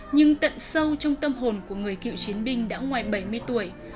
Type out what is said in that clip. nhưng tận sâu trong tâm hồn của người cựu chiến binh đã ngoài bảy mươi tuổi